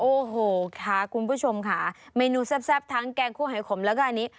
โอ้โหค่ะคุณผู้ชมค่ะเมนูแซ่บทั้งแกงคั่วหายขมแล้วก็อันนี้